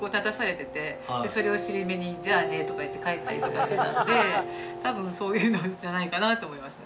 「じゃあね」とか言って帰ったりとかしてたんで多分そういうのじゃないかなと思いますね。